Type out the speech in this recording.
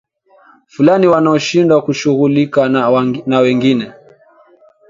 fulani wanaoshindwa kushughulika na wengine